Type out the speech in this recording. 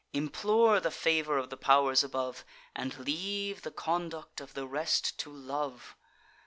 Implore the favour of the pow'rs above, And leave the conduct of the rest to love.